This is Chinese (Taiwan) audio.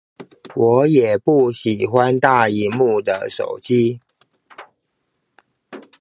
我也不喜歡大螢幕的手機